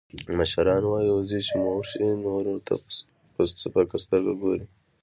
مشران وایي، وږی چې موړ شي، نورو ته په سپکه سترگه گوري.